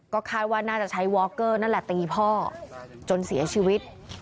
ก็คาดว่าน่าจะใช้วอคเกอร์นั่นแหละตีพ่อจนเสียชีวิต